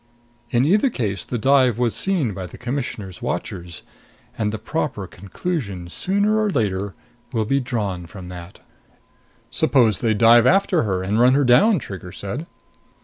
In either case, the dive was seen by the Commissioner's watchers; and the proper conclusions sooner or later will be drawn from that." "Supposing they dive after her and run her down?" Trigger said.